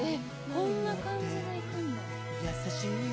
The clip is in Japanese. こんな感じで行くんだ。